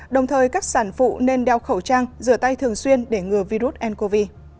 đồng thời các sản phụ nên đeo khẩu trang rửa tay thường xuyên để ngừa virus ncov